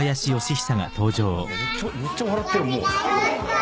めっちゃ笑ってるもう。